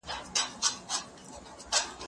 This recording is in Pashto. هغه څوک چي سبزیجات جمع کوي قوي وي؟